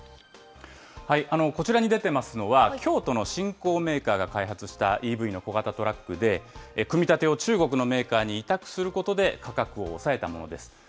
こちらに出てますのは、京都の新興メーカーが開発したＥＶの小型トラックで、組み立てを中国のメーカーに委託することで価格を抑えたものです。